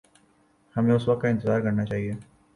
ہمیں اس وقت کا انتظار کرنا چاہیے۔